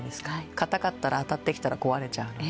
かたかったら当たってきたら壊れちゃうので。